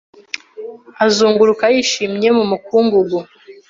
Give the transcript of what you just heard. Azunguruka yishimye mu mukungugu